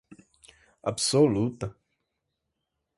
absoluta